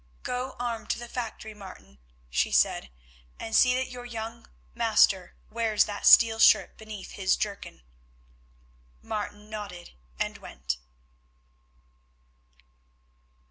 "Go armed to the factory, Martin," she said, "and see that your young master wears that steel shirt beneath his jerkin." Martin nodded and went.